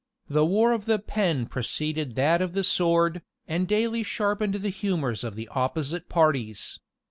The war of the pen preceded that of the sword, and daily sharpened the humors of the opposite parties.